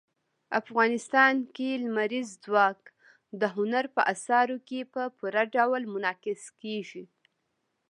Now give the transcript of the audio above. افغانستان کې لمریز ځواک د هنر په اثارو کې په پوره ډول منعکس کېږي.